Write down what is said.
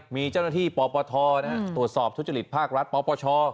มีเจ้าหน้าที่ปปทตรวจสอบทุจริตภาครัฐปปช